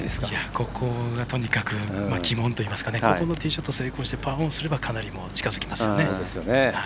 ここはとにかく鬼門といいますかここのティーショット成功してパーオンすれば近づきますね。